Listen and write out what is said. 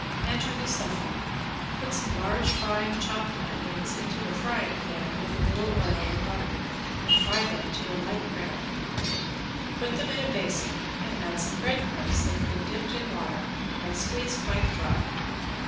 ~ANCHOVY STUFFING~ Put some large fine chopped onions into a frying pan with a little oil or butter and fry them to a light brown. Put them in a basin and add some breadcrumbs that have been dipped in water and squeeze quite dry.